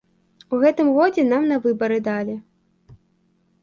У гэтым годзе нам на выбары далі.